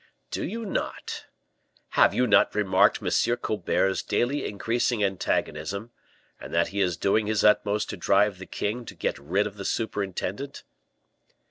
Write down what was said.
"Do you not? Have you not remarked M. Colbert's daily increasing antagonism, and that he is doing his utmost to drive the king to get rid of the superintendent?"